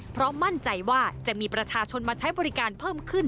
เพราะมั่นใจว่าจะมีประชาชนมาใช้บริการเพิ่มขึ้น